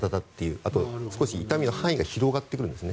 あとは痛みの範囲が広がってくるんですね